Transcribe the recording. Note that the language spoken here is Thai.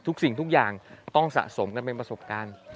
สิ่งทุกอย่างต้องสะสมกันเป็นประสบการณ์